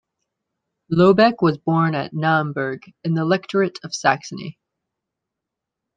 Lobeck was born at Naumburg, in the Electorate of Saxony.